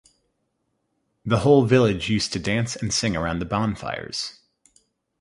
The whole village used to dance and sing around the bonfires.